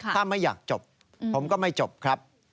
ถ้าไม่อยากจบผมก็ไม่จบครับ